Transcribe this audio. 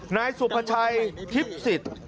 นายสุพชัยทิพศิษฐ์